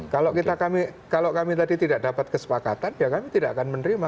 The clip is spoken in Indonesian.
kalau kami tadi tidak dapat kesepakatan ya kami tidak akan menerima